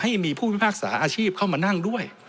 ให้มีผู้พิพากษาอาชีพเข้ามานั่งด้วย